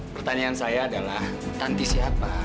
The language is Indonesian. pertanyaan saya adalah tanti siapa